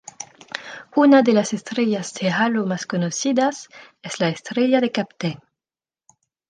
Una de las estrellas de halo más conocidas es la Estrella de Kapteyn.